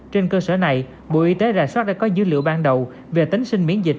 trên cơ sở này bộ y tế rà soát đã có dữ liệu ban đầu về tính sinh miễn dịch